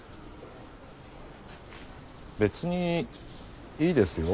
別にいいですよ